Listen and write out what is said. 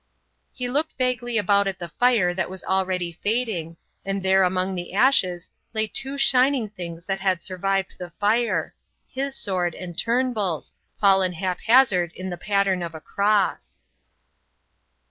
He looked vaguely about at the fire that was already fading, and there among the ashes lay two shining things that had survived the fire, his sword and Turnbull's, fallen haphazard in the pattern of a cross.